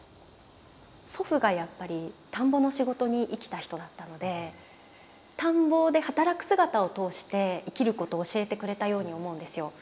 祖父がやっぱり田んぼの仕事に生きた人だったので田んぼで働く姿を通して生きることを教えてくれたように思うんですよ。